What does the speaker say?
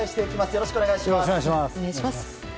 よろしくお願いします。